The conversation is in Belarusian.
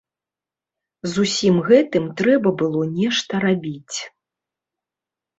З усім гэтым трэба было нешта рабіць.